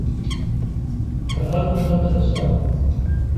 her husband and herself